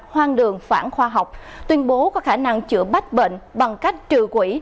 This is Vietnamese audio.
hoang đường phản khoa học tuyên bố có khả năng chữa bách bệnh bằng cách trừ quỹ